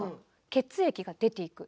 血液が出ていく。